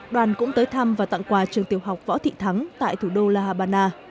đoàn cũng tới thăm và tặng quà trường tiểu học võ thị thắng tại thủ đô la habana